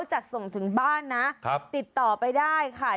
จัดส่งถึงบ้านนะติดต่อไปได้ค่ะ